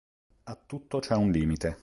A tutto c'è un limite...".